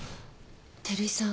照井さん